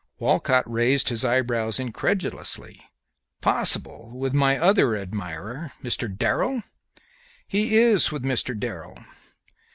Walcott raised his eyebrows incredulously. "Possible! With my other admirer, Mr. Darrell?" "He is with Mr. Darrell."